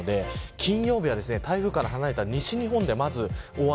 金曜日は、台風から離れた西日本で、まず大雨。